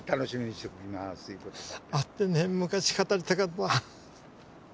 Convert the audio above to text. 会ってね昔語りたかった。